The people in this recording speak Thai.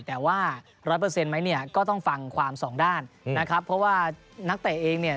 แต่ว่า๑๐๐มั้ยก็ต้องฟังความสองด้านเพราะว่านักเตะเองเนี่ย